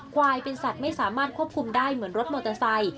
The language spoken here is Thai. ควายเป็นสัตว์ไม่สามารถควบคุมได้เหมือนรถมอเตอร์ไซค์